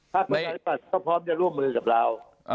ภักดิ์ประชาติก็พร้อมจะร่วมมือกับเรา